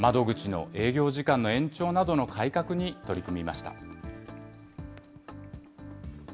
窓口の営業時間の延長などの改革に取り組みました。